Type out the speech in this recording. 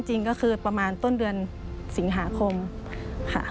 จริงก็คือประมาณต้นเดือนสิงหาคมค่ะ